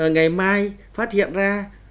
ngày mai phát hiện ra